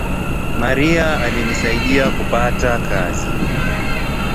Maria alinisaidia kupata kazi